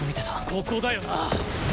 ここだよな！